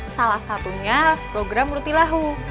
salah satunya program rutilahu